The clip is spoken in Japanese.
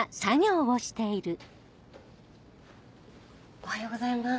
おはようございます。